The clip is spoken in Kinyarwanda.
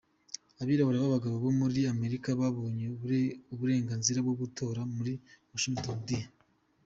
Abirabura b’abagabo bo muri Amerika babonye uburenganzira bwo gutora muri Washington D.